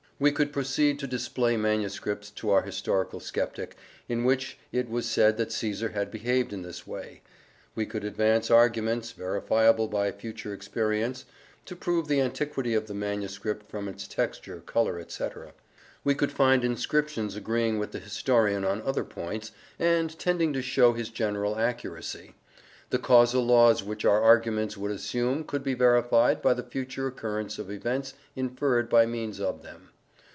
We could proceed to display manuscripts to our historical sceptic, in which it was said that Caesar had behaved in this way. We could advance arguments, verifiable by future experience, to prove the antiquity of the manuscript from its texture, colour, etc. We could find inscriptions agreeing with the historian on other points, and tending to show his general accuracy. The causal laws which our arguments would assume could be verified by the future occurrence of events inferred by means of them.